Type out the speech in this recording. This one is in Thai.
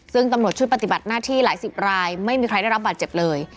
ซึ่งตำรวจชุดปฏิบัติหน้าที่หลายสิบรายไม่มีใครได้รับบาดเจ็บเลย